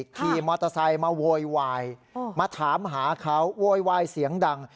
ขี่มอเตอร์ไซค์มาโวยวายมาถามหาเขาโวยวายเสียงดัง